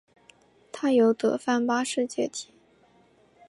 他由德范八世接替。